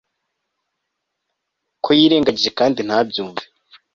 Ko yirengagije kandi ntabyumve